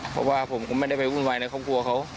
เพราะว่าผมก็ไม่ได้ไปวุ่นวายในครอบครัวเขา